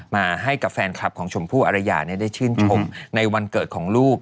มาให้กับแฟนคลับของชมพู่อรยาได้ชื่นชมในวันเกิดของลูก